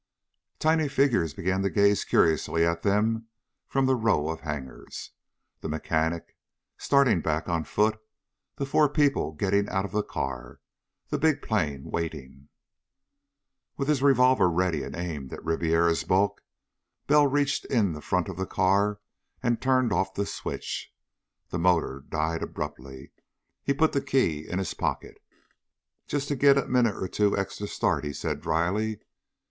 Tiny figures began to gaze curiously at them from the row of hangars. The mechanic, starting back on foot, the four people getting out of the car, the big plane waiting.... With his revolver ready and aimed at Ribiera's bulk, Bell reached in the front of the car and turned off the switch. The motor died abruptly. He put the key in his pocket. "Just to get a minute or two extra start," he said dryly.